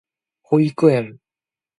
保育園